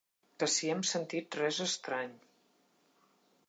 Que si hem sentit res estrany.